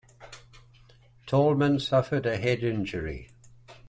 Tallman suffered a head injury.